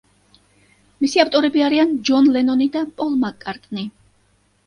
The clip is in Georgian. მისი ავტორები არიან ჯონ ლენონი და პოლ მაკ-კარტნი.